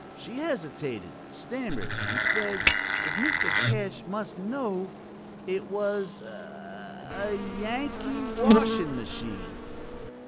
She hesitated, stammered, and said, if Mr. Cash must know, it was a a a Yankee washing machine.